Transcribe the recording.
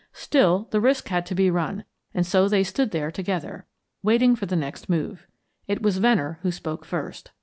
Still, the risk had to be run, and so they stood there together, waiting for the next move. It was Venner who spoke first.